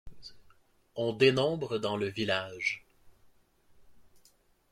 On dénombre dans le village.